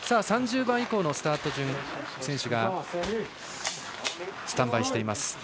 ３０番以降のスタート順の選手がスタンバイしています。